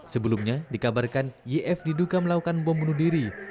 sebelumnya dikabarkan yf diduga melakukan bom bunuh diri